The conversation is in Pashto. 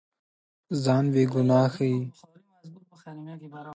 ځان بېګناه ښيي.